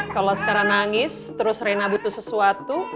kalau askara nangis terus reina butuh sesuatu